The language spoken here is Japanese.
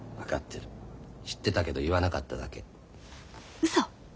うそ！